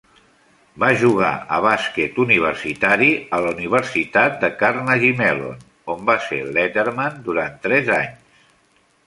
Va jugar a bàsquet universitari a la Universitat de Carnegie Mellon, on va ser "letterman" durant tres anys.